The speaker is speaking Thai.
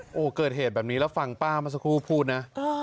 โอ้โหเกิดเหตุแบบนี้แล้วฟังป้าเมื่อสักครู่พูดนะ